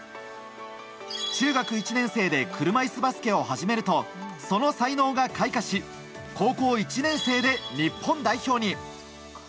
中学１年生で車いすバスケを始めるとその才能が開花し高校１年生で日本代表に。